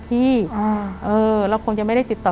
แต่ขอให้เรียนจบปริญญาตรีก่อน